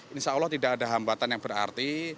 insya allah tidak ada hambatan yang berarti